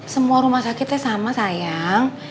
semua rumah sakitnya sama sayang